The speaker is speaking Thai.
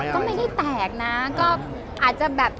ก็ไม่ได้แตกนะก็อาจจะแบบ